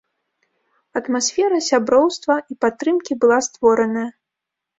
Атмасфера сяброўства і падтрымкі была створаная.